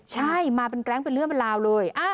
ใช่มาเป็นแก๊งเป็นเรื่องเป็นราวเลย